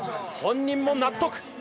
本人も納得。